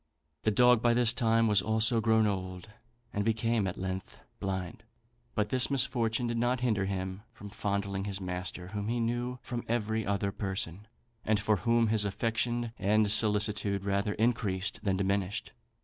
The dog by this time was also grown old, and became at length blind; but this misfortune did not hinder him from fondling his master, whom he knew from every other person, and for whom his affection and solicitude rather increased than diminished.